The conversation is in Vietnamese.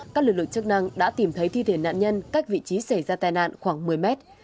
các lực lượng chức năng đã tìm thấy thi thể nạn nhân cách vị trí xảy ra tai nạn khoảng một mươi mét